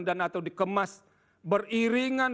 dan atau dikemas beriringan dengan anggaran negara tertentu